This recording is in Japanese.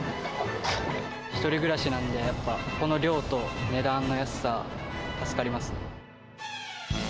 １人暮らしなんで、やっぱこの量と値段の安さ、助かりますね。